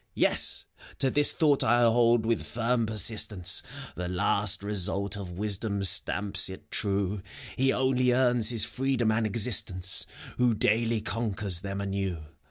Yes ! to this thought I hold with firm persistence ; The last result of wisdom stamps it true : He only earns his freedom and existence, Who daily conquers them anew.